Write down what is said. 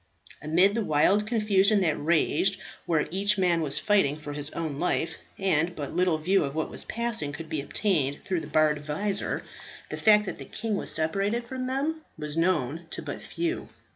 Amid the wild confusion that raged, where each man was fighting for his own life, and but little view of what was passing could be obtained through the barred visor, the fact that the king was separated from them was known to but few.